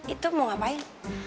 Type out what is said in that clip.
itu mau ngapain